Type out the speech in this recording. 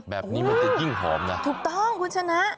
แบบนี้มันจะยิ่งหอมนะถูกต้องคุณชนะ